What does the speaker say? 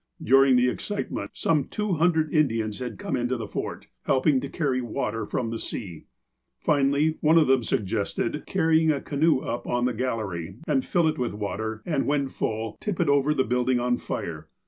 During the excitement, some two hundred Indians had come into the Fort, helping to carry water from the sea. Finally, one of them suggested carrying a canoe up on the gallery, and fill it with water, and, when full, tip it over the building on fire.